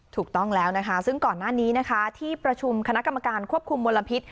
ถูกต้องแล้วนะคะซึ่งก่อนหน้านี้นะคะที่ประชุมคณะกรรมการควบคุมมลพิษ